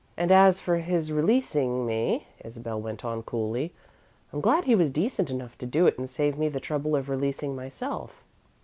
"And as for his releasing me," Isabel went on, coolly, "I'm glad he was decent enough to do it and save me the trouble of releasing myself."